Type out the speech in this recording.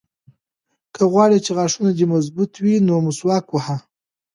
که غواړې چې غاښونه دې مضبوط وي نو مسواک وهه.